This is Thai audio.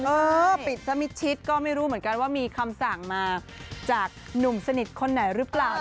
เออปิดซะมิดชิดก็ไม่รู้เหมือนกันว่ามีคำสั่งมาจากหนุ่มสนิทคนไหนหรือเปล่า